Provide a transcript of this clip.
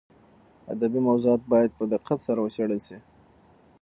ادبي موضوعات باید په دقت سره وڅېړل شي.